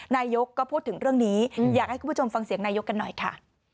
นายกก็พูดถึงเรื่องนี้อยากให้คุณผู้ชมฟังเสียงนายกกันหน่อยค่ะ